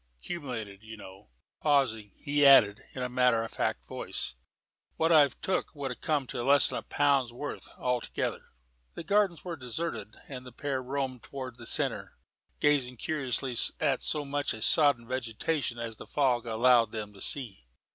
'Cumulated, you know." Pausing, he added, in a matter of fact voice, "What I've took would come to less'n a pound's worth, altogether." The Gardens were deserted, and the pair roamed towards the centre, gazing curiously at so much of sodden vegetation as the fog allowed them to see.